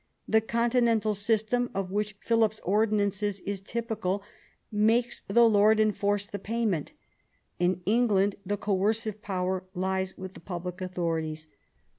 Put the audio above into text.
The continental system of which Philip's ordinance is typical makes the lord enforce the payment. In England the coercive power lies with the public authorities.